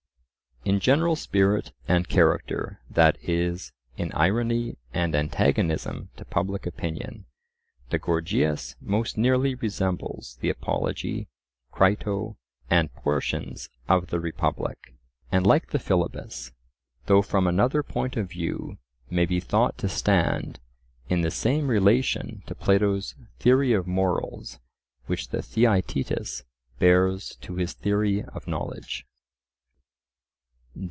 In general spirit and character, that is, in irony and antagonism to public opinion, the Gorgias most nearly resembles the Apology, Crito, and portions of the Republic, and like the Philebus, though from another point of view, may be thought to stand in the same relation to Plato's theory of morals which the Theaetetus bears to his theory of knowledge.